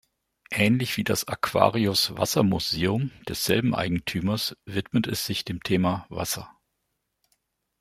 Ähnlich wie das Aquarius-Wassermuseum desselben Eigentümers widmet es sich dem Thema „Wasser“.